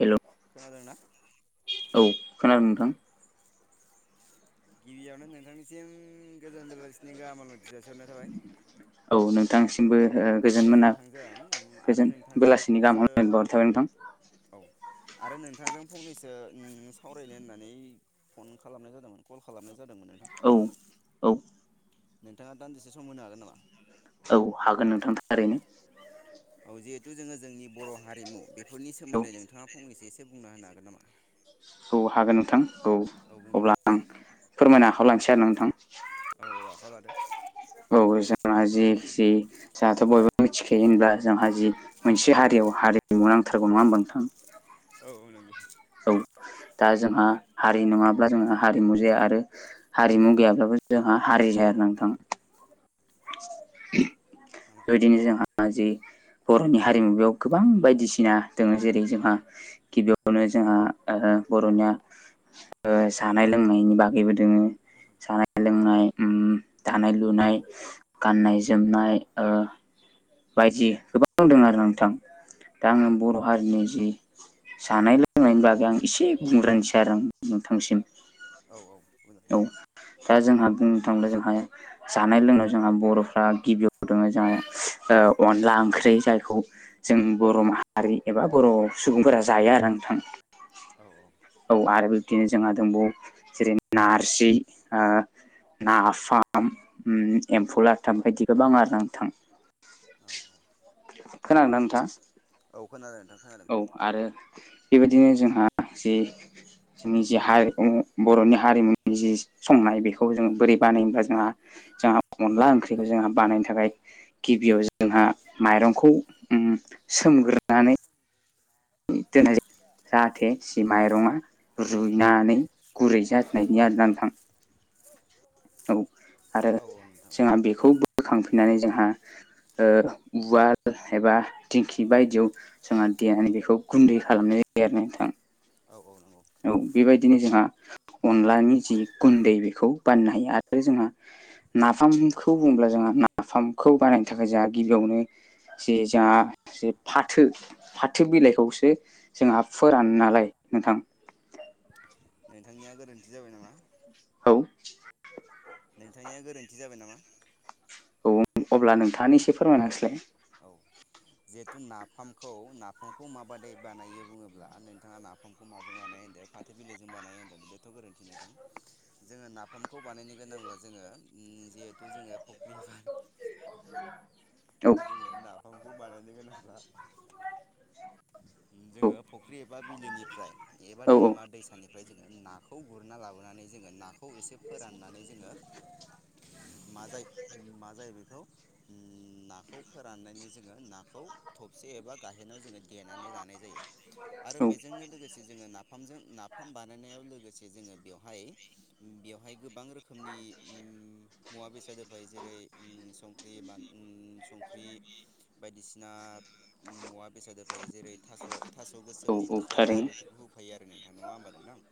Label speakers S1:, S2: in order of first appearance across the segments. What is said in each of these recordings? S1: हेल'
S2: खोनादों ना?
S1: औ खोनादों नोंथां।
S2: गिबियावनो नोंथांनिसिम गोजोन बेलासिनि गाहाम हामलायथि जासिहरनाय थाबाय।
S1: औ नोंथांसिमबो गोजोन
S2: आरो
S1: मोना
S2: नोंथांजों आरो
S1: गोजोन
S2: नोंथांजों
S1: बेलासिनि
S2: फंनैसो
S1: गाहाम [unintelligible] थाबाय नोंथां
S2: औ आरो नोंथांजों फंनैसो सावरायनो होननानै फन खालामनाय जादोंमोन। कल खालामनाय जादोंमोन नोंथां
S1: औ औ
S2: नोंथाङा दान्दिसे सम होनो हागोन नामा?
S1: औ हागोन नोंथां थारैनो।
S2: औ जिहेथु जोङो जोंनि बर' हारिमु बेफोरनि
S1: औ
S2: सोमोन्दै नोंथाङा फंनैसो एसे बुंना होनो हागोन नामा?
S1: औ हागोन नोंथां औ अब्ला आं फोरमायनो आखायाव लानोसै आरोना नोंथां।
S2: औ औ आखायाव लादो।
S1: औ जोंना जि [unintelligible] जोंहाथ' बयबो मिथिखायो होनब्ला जोंहा जि मोनसे हारियाव हारिमु नांथारगौ नङा होनबा नोंथां?
S2: औ औ नंगौ।
S1: औ दा जोंहा हारि नङाब्ला जोंहा हारिमु जाया आरो हारिमु गैयाब्लाबो जोंहा हारि जाया नोंथां
S2: हामाखै
S1: बेबायदिनो जोंहा जि बर'नि हारिमु बेयाव गोबां बायदिसिना दङ जेरै जोंहा गिबियावनो जोंहा बर'निया जानाय लोंनायनि बागैबो दोङो जानाय लोंनाय, दानाय लुनाय, गाननाय जोमनाय, बायदि गोबां दं आरो नोंथां दा
S2: औ
S1: आङो
S2: नंगौ
S1: बर' हारिनि जि जानाय लोंनायनि बागै आं एसे बुंग्रोनसै आरो नोंथांसिम
S2: औ औ मोजां खोनादों।
S1: औ दा जोंहा बुंनो थाङोब्ला जोंहा जानाय लोंनायाव जोंहा बर'फ्रा गिबियाव दङ जोंहा ओ अनला ओंख्रि जायखौ जों बर' माहारि एबा बर' सुबुंफोरा जायो आरोना नोंथां।
S2: औ औ।
S1: औ आरो बिब्दिनो जोंहा दंबावो जेरै नारजि ओ नाफाम उम एम्फौ लाथा [unintelligible] गोबां आरोना नोंथां।
S2: औ औ।
S1: खोनादोंना नोंथां?
S2: औ खोनादों नोंथां। खोनादों
S1: औ आरो बेबायदिनो जोंहा जि जोंनि जि हारि [unintelligible] बर'नि हारिमुनि जि संनाय बेखौ जों बोरै बानायो होमब्ला जोंहा जोंहा अनला ओंख्रिखौ जोंहा बानायनो थाखाय गिबियाव जोंहा माइरंखौ उम सोमग्रोनानै दोननाय जायो जाहाथे जि माइरंआ रुइनानै गुरै जानायनि आरोना नोथां। औ आरो
S2: औ औ नोंथां औ
S1: जोंहा बेखौ बोखांफिननानै जोंहा उवाल एबा दिंखि बायदियाव जोंहा देनानै बेखौ गुन्दै खालामनाय जायो आरोना नोंथां।
S2: औ औ नंगौ।
S1: औ बेबायदिनो जोंहा अनलानि जि गुन्दै बेखौ बानायनो हायो आरो जोंहा नाफामखौ बुंङोब्ला जोंहा नाफामखौ बानायनो थाखाय जोंहा गिबियावनो जे जोंहा जे फाथो फाथो बिलाइखौसो जोंहा फोरान नालाय नोंथां।
S2: नोंथांनिया गोरोन्थि जाबाय नामा?
S1: औ।
S2: नोंथांनिया गोरोन्थि जाबाय नामा?
S1: औ अब्ला नोंथाङानो एसे फोरमायना होस्लाय
S2: औ जिहेथु नाफामखौ नाफामखौ माबादै बानायो बुङोब्ला नोंथाङा नाफा खौ माजों बानायो होनदो फाथो बिलाइजों बानायो होन्दों बेथ' गोरोन्थि नोंथां। जोङो नाफामखौ बानायनो गोनांब्ला जोङो उम जिहेथु जोङो फख्रि एबा
S1: [inaudible]
S2: जोङो नाफामखौ बानायनो गोनांब्ला
S1: औ
S2: जोङो फुख्रि एबा बिलोनिफ्राय एबा
S1: औ
S2: दैमा दैसानि ओमफ्राय जोङो नाखौ गुरना लाबोनानै जोङो नाखौ एसे फोराननानै जोङो मा जायो मा जायो बेखौ नाखौ फोराननायनि जोङो नाखौ थबसे एबा गाहेनाव जोङो दे नानै लानाय जायो आरो
S1: औ
S2: बेजोंनो लोगोसे जोङो नाफामजों नाफाम बानायनायाव लोगोसे जोङो बेवहाय बेवहाय गोबां रोखोमनि उम मुवा बेसाद होफायो जेरै उम संख्रि बान उम संख्रि बायदिसिना मुवा बेसाद फायो जेरै थास' थास'
S1: औ
S2: गोसोमनि
S1: औ
S2: थारा
S1: थारैनो
S2: बेफोरखौ होफायो आरो नोंथां नङा होमबा नोंथां? [inaudible]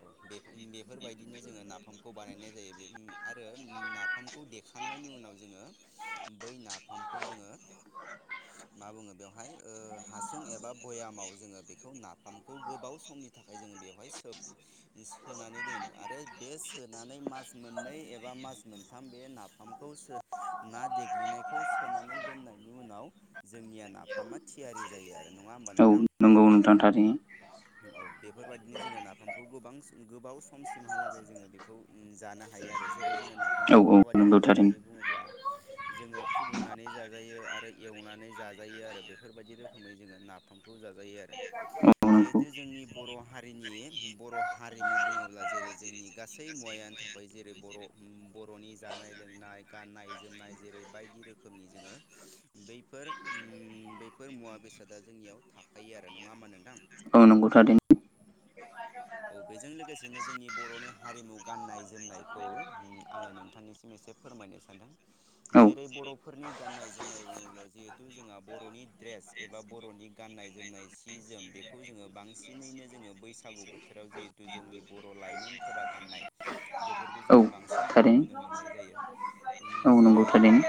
S2: औ बेफो बेफोरबायदिनो जोङो नाफामखौ बानायनाय जायो बे उम आरो उम ना फामखौ देखांनायनि उनाव जोङो बै नाफामखौ जोङो मा बुङो बेवहाय ओ हासुं एबा भयामाव जोङो बेखौ नाफामखौ गोबाव समनि थाखाय जोङो बेयावहाय सोब सोनानै दोनो आरो बे सोनानै मास मोननै एबा मास मोनथाम बे नाफामखौ सो ना देग्लिनायखौ सोनानै दोननायनि उनाव जोंनिया नाफामा थियारि जायो आरो नङा होमबा नोंथां?
S1: औ नंगौ नोंथां थारैनो।
S2: औ बेफोरबायदिनो जोङो नाफामखौ गोबां गोबाव समसिमहालागै जोङो बेखौ उम जानो हायो आरो जेरै जोङो ना
S1: औ
S2: फामखौ
S1: औ
S2: माबायदि
S1: नंगौ
S2: जानो
S1: थारैनो
S2: हायो बुङोब्ला जोङो फुदुंनानै जाजायो आरो एवनानै जाजायो आरो बेफोरबायदि रोखोमै जोङो नाफामखौ जाजायो आरो
S1: औ नंगौ
S2: जिहेथु जोंनि बर' हारिनि बर' हारिमु बुङोब्ला जेरै जोंनि गासै मुवायानो था बै जेरै बर' उम बर'नि जानाय लोंनाय गाननाय जोमनाय जेरै बायदि रोखोमनि जोङो बैफोर उम बैफोर मुवा बेसादा जोंनियाव थाफायो आरो नङा होमा नोंथां
S1: औ नोंगौ थारदिन
S2: औ बेजों लोगोसेनो जोंनि बर'नि हारिमु गाननाय जोमनायखौ उम आङो नोंथांनिसिम एसे फोरमायनो सानदों
S1: औ
S2: जेरै बर'फोरनि गान्नाय जोमनाय बुङोब्ला जिहेथु जोंहा बर'नि ड्रेस एबा बर'नि गाननाय जोमनाय सि जोम बेखौ जोङो बांसिनैनो जोङो बैसागु बोथ बोथोराव जिहेथु जोंनि बर' लाइमोनफोरा गाननाय बेफोरखौ
S1: औ
S2: जोङो बांसिन जोङो
S1: थारैनो
S2: नुनो मोननाय जायो उम
S1: औ नंगौ
S2: जेरै
S1: थारैनो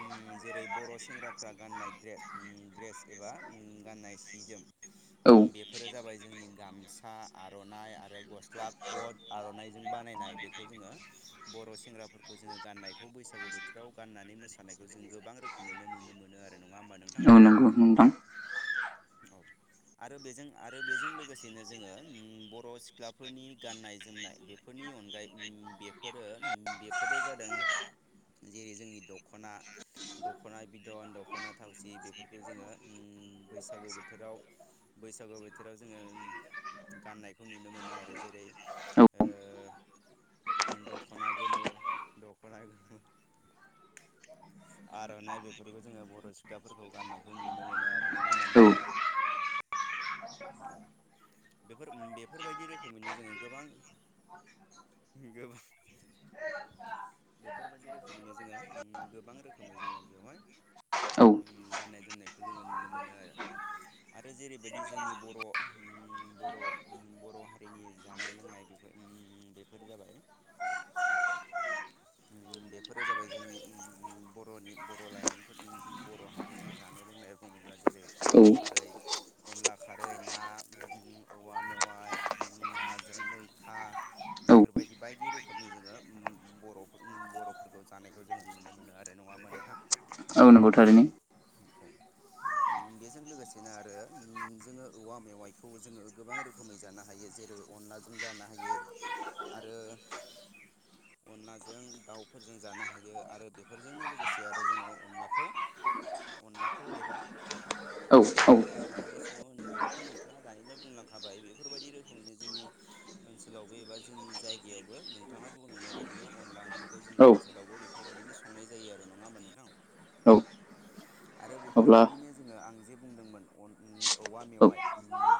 S2: उम जेरै बर' सेंग्राफ्रा गाननाय द्रेस उम द्रेस एबा उम गाननाय सि जोम उम
S1: औ
S2: बेफोरो जाबाय जोंनि गामसा आर'नाइ आरो गस्ला कट आर'नाइजों बानायनाय बेखौ जोङो बर' सेंग्राफोर खौ जोङो गान्नायखौ बैसागु बोथोराव गाननानै मोसानायखौ जों गोबां रोखोमैनो नुनो मोनो आरो नङा होमबा नोंथां
S1: औ नांगौ नोंथां
S2: औ आरो बेजों आरो बेजों लोगोसेनो जोङो उम बर' सिख्लाफोरनि गाननाय जोमनाय बेफोरनि अनगायै उम बेफोरो उम बेब फोरो जादों जेरै जोंनि दख'ना दख'ना बिदन दख'ना थावसि बेफोरखौ जोङो बैसागु बोथोराव बैसागो बोथोराव जोङो गाननायखौ नुनो मोनो आरो जेरै
S1: औ
S2: ओ उम दख'ना गोमो दख'ना गोमो आर'नाइ बेफोरखौ जोङो बर' सिख्लाफोरखौ गान्नायखौ नुनो मोनो आरो नङा होमबा
S1: औ
S2: नोंथां औ
S1: [inaudible]
S2: बेफोर उम बेफोरबायदि रोखोमैनो जोङो गोबां बिगोब बेफोरबायदि रोखोमैनो जोङो उम गोबां रोखोमै जोङो बेवहाय
S1: औ
S2: उम गाननाय जोमनायखौ जोङो नुनो मोनोआरो आरो जेरैबायदि जोंनि बर' उम ब बर' हारिनि जानाय लोंनाय बेफोर बेफोर जाबाय [unintelligible] बेफोरो जाबाय जोंनि बर'नि, बर' लाइमोनफोरनि बर' हारि बेनि जानाय लोंनाय बुङोब्ला जेरै अनला
S1: औ
S2: खारै, अनला खारै ना औवा मेवाइ, नाजों मैथा
S1: औ
S2: बेफोरबायदि बायदि रोखोमनि जोङो बर'फोर-बर'फोरखौ जानायखौ जोङो नुनो मोनो आरो नङा होमबा नों [unintelligible]
S1: औ नोंगौ थारैनो।
S2: औ उम बेजों लोगोसेनो आरो उम जोङो औवा मेवाइखौ जोङो गोबां रोखोमै जानो हायो जेरै अनलाजों जानो हायो आरो [inaudible] अनलाजों दाउफोरजों जानो हायो आरो बेफोरजोंनो लोगोसे आरो जोङो अनलाखौ अनलाखौ एबा
S1: औ
S2: उम
S1: औ
S2: अनलाखौ माबायदि सङो होनोब्लाथ' नोंथाङा दानिनो बुंलांखा हाबाय बेफोरबायदि रोखोमैनो जोंनि ओनसोलावबो एबा जोंनि जायगायावबो नों नोंथाङा बुंलांनाय बायदिनो अनला ओंख्रिखौ जोंनि
S1: औ
S2: ओनसोलावबो बेफोरबायदिनो संनाय जायो आरो नङा होमबा नोंथां
S1: औ
S2: आरो
S1: अब्ला
S2: बेफोरबायदिनो जोङो आं जे बुंदोंमोन औवा
S1: औ
S2: मेवाइ,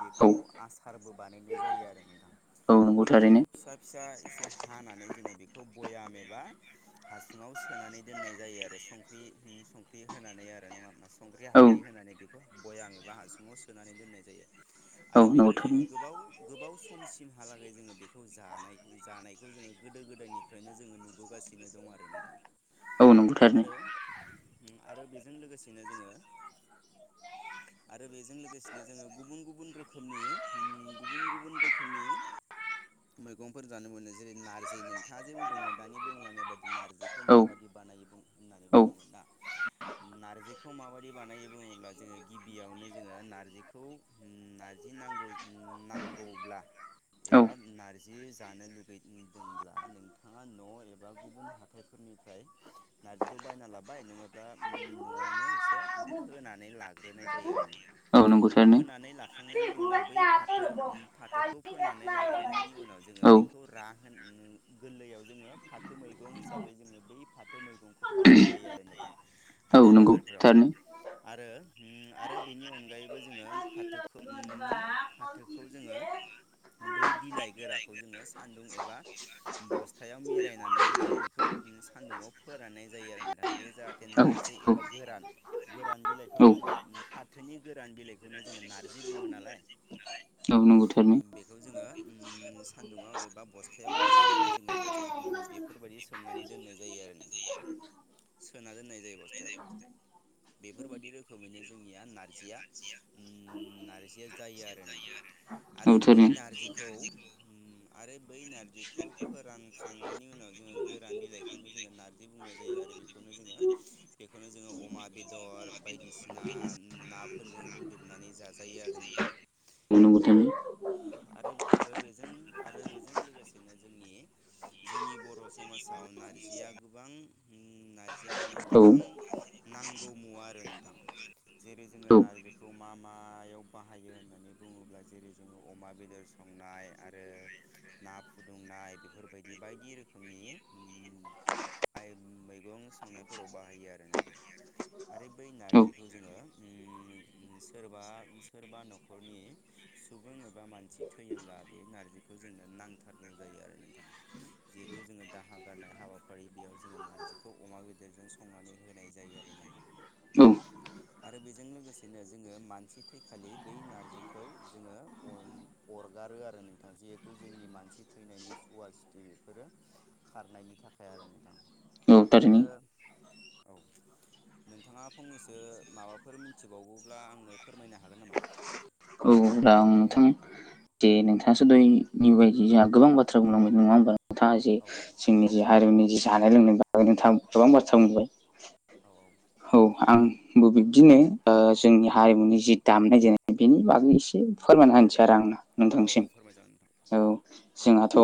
S2: बेखौ
S1: औ
S2: आसारबो बानायनाय जायो आरो नोंथां।
S1: औ नंगौ
S2: बेखौ
S1: थारैनो
S2: फिसा फिसा एसे हानानै जोङो बेखौ बयाम एबा हासुङाव सोनानै दोननाय जायो आरो संख्रि, संख्रि होनानै आरो। नङा होमबा संख्रि
S1: औ
S2: हालदै होनानै बेखौ बयाम एबा हासुङाव सोनानै दोननाय जायो।
S1: औ
S2: आरो
S1: नंगौ
S2: बेखौ जोङो
S1: थारैनो
S2: गोबाव-गोबाव समसिमहालागै जोङो बेखौ जानाय-जानायखौ जोङो गोदो गोदायनि फ्रायनो जोङो नुबोगासिनो दं आरो नोंथां।
S1: औ नंगौ थारैनो
S2: आरो उम आरो बेजों लोगोसेनो जोङो आरो बेजों लोगोसेनो जोङो गुबुन गुबुन रोखोमनि गुबुन गुबुन रोखोमनि मैगंफोर जानो मोनो। जेरै नारजि नोंथाङा जे बुंदोंमोन दानि बुंलांनाय बादि नारजि
S1: औ
S2: माबायदि बानायो बुं होननानै
S1: औ
S2: बुंदोंमोन ना? नारजिखौ माबायदि बानायो बुङोब्ला जोङो गिबियावनो जोङो नार्जिखौ नारजि नांगौ-नांगौब्ला एबा नारजि जानो लुगैदोंब्ला नोंथाङा न' एबा गुबुन हा हाथायफोरनिफ्राय नारजिखौ बायना लाबोबाय नङाब्ला न'आवनो एसे फोनानै लाग्रोनाय जायो आरो। नोंथां
S1: औ नो
S2: फोनानै लाखांनायनि उनाव बै फाथो-फाथोखौ फोनानै लाग्रोनायनि उनाव जोङो
S1: औ
S2: बेखौ रा होन गोरलैयाव जोङो फाथो मैगं हिसाबै जोङो बै फाथो मैगंखौ फाननाय जायो आरो नोंथां,
S1: औ
S2: हाथाय
S1: नंगौ
S2: बाजारफ्राव।
S1: थारैनो
S2: आरो उम आरो बेनि अनगायैबो जोङो फाथोखौ फाथोखौ जोङो बै बिलाइ गोराखौ जोङो सान्दुं एबा बस्थायाव मेरायनानै जोङो बेखौ सान्दुङाव फोराननाय जायो आरो नोंथां। बे जाहाथे नारजि एबा गोरान गोरान बिलाइखौनो
S1: औ औ
S2: जोङो फाथोनि गोरान बिलाइखौनो जोङो नारजि बुङो नालाय,
S1: औ नंगौ थारैनो
S2: बेखौ जोङो सान्दुुंआव एबा बस्थायाव मेरायनानै जोङो बस बेफोरबायदि सोमनानै दोननाय जायो आरो नोंथां।
S1: [unintelligible]
S2: सोना दोननाय जायो बस्थायाव। बेफोरबायादि रोखोमैनो जोंनिया नारजिया, नारजिया जायो आरो।
S1: [unintelligible]
S2: आरो बै नारजिखौ आरो बै नारजिखौ फोरानखांनायनि उनाव जोङो गोरान बिलाइ बेखौनो जोङो नारजि बुंनाय जायो आरो बेखौनो जोङो बेखौनो जोङो अमा बेदर बायदिसिना नाफोरजों रुदबनानै जाजायो आरो नोंथां।
S1: [unintelligible]
S2: आरो आरो बेजों आरो बेजों लोगोसेनो जोंनि जोंनि बर' समाज आव नारजिया गोबां नारजिया माने गोबां नांगौ मुवा आरो नोंथां जेरै
S1: औ
S2: जोङो नारजिखौ मा मायाव बाहायो होननानै बुङोब्ला जेरै जोङो अमा बेदर संनाय आरो ना फुदुंनाय बेफोरबायदि बायदि रोखोमनि आइ मैगं संनायफोराव बाहायो आरो नोंथां। आरो बै नारजिखौ जोङो सोरबा-सोरबा नखरनि सुबुं एबा मानसि थैयोब्ला बे नारजिखौ जोंनो नांथारगौ जायो आरो नोंथां। जिहेथु जोङो दाहा गारनाय हाबाफारि बेयाव जोङो नारजिखौ अमा बेदरजों संनानै होनाय जायो आरो नोंथां। आरो बेजों लोगोसेनो जोङो मानसि थैखालि बै नारजिखौ जोङो अरगारो आरो नोंथां जिहेथु जोंनि मानसि थैनायनि सुवा सुथि बेफोरो खारनायनि थाखाय आरो नोंथां।
S1: औ
S2: आरो
S1: थारैनो औ
S2: औ। नोंथाङा फंनैसो माबाफोर मिथिबावगौब्ला आंनो फोरमायनो हागोन नामा?
S1: औ रा नोंथां जे नोंथाङासो दहाय निउ बायदि जोंहा गोबां बाथ्रा बुंलांनाय नङा होमबा थाङा जि
S2: औ
S1: जोंनि जि हारिनि जि जानाय लोंनायनि बागै नोंथांङा गोबां बाथ्रा बुंबाय।
S2: औ औ
S1: औ आंबो बिब्दिनो ओ जोंनि हारिमुनि जि दामनाय देनाय बेनि बागै एसे फोरमायना होनोसै आरो आं
S2: औ औ फोरमायजागोन नोंथां
S1: औ जोंहाथ'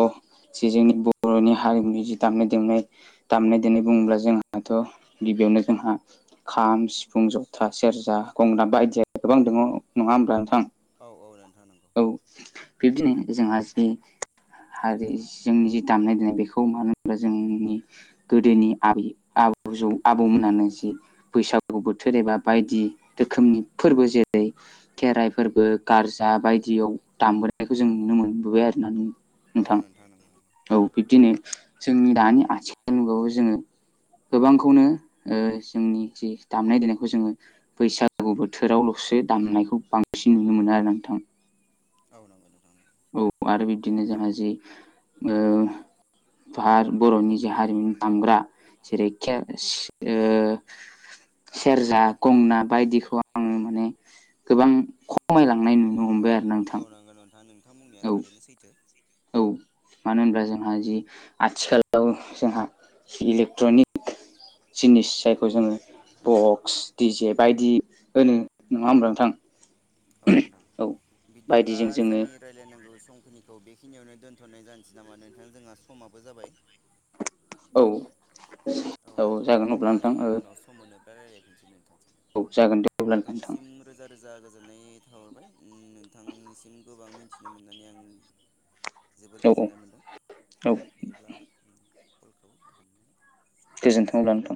S1: जि जोंनि बर'नि हारिमुनि जि दामनाय देनाय दामनाय देनाय बुङोब्ला जोंहाथ' गिबियावनो जोंहा खाम सिफुं जथा सेरजा गंगोना बायदिया गोबां दङ नङा होमब्ला नोंथां
S2: औ औ नोंथां नंगौ
S1: औ बिब्दिनो जोंहा जि हारि जोंनि जि दामनाय देनाय बेखौ मानो होनोबा जोंनि गोदोनि आब-आबौ आबौमोनानो जि बैसा गु बोथोर एबा बायदि रोखोमनि फोरबो जेरै खेराइ फोरबो गारजा बाय दियाव दामबोनायखौ जों नुनो मोनबोबाय आरोना
S2: औ
S1: नोंथां
S2: नोंथां नंगौ नंगौ
S1: औ बिब्दिनो जोंनि दानि आथिखाल मुगायावबो जोङो गोबांखौनो ओ जोंनि जि दामनाय देनायखौ जोङो बैसागु बोथोरावल'सो दामनायखौ बांसिन नुनो मोनो आरो नोंथां
S2: औ नंगौ नोंथां नंगौ
S1: औ आरो बिबदिनो जोंहा जि ओ फार बर'नि जे हारिमुनि दामग्रा जेरै के सि ओ सेरजा गंना बायदिखौ आङो माने गोबां खमायलांनाय नुनो हमबाय आ
S2: औ नंगौ नोंथां नोंथां बुंनाया थारैनो सैथो।
S1: औ मानो होनब्ला जोंहा जि आथिखालाव जोंहा इलेक्ट्रनिक जिनिस जायखौ जोङो बक्स डि जे बायदि होनो नङा होमब्ला नोंथां
S2: औ
S1: औ
S2: नोंथां बिदिब्ला
S1: बायदिजों जोङो
S2: जोंनि रायजलायनांगौ समखिनिखौ बेखिनियावनो दोनथ'नाय जानोसै नामा नोंथां जोंहा समाबो जाबाय
S1: औ औ
S2: नोंथां
S1: जागोन
S2: बिदिब्ला
S1: अब्ला
S2: जोङो
S1: नोंथां
S2: उनाव सम मोनो बि रायजलायफिनोसै नोंथां
S1: जागोन दे अब्ला नोंथां
S2: नोंथांनिसिम रोजा रोजा गोजोननाय थाहरबाय नोंथांनिसिम गोबां मिथिनो मोननानै आं जोबोर
S1: औ औ
S2: गोजोननाय मोनदों
S1: औ
S2: बिदिब्ला फलखौ दाननाय
S1: गोजोन्थों
S2: जाथोंसै
S1: लांथों